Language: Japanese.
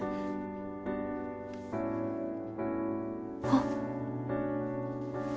あっ。